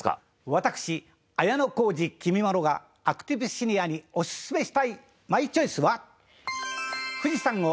私綾小路きみまろがアクティブシニアにおすすめしたいマイチョイスは。